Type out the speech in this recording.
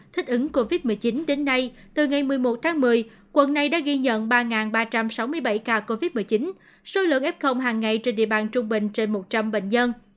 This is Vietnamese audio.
thích ứng covid một mươi chín đến nay từ ngày một mươi một tháng một mươi quận này đã ghi nhận ba ba trăm sáu mươi bảy ca covid một mươi chín số lượng f hàng ngày trên địa bàn trung bình trên một trăm linh bệnh nhân